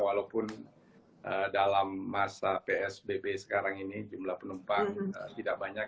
walaupun dalam masa psbb sekarang ini jumlah penumpang tidak banyak